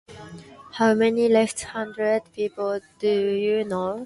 How many left-handred people do you know?